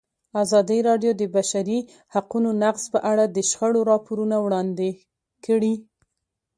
ازادي راډیو د د بشري حقونو نقض په اړه د شخړو راپورونه وړاندې کړي.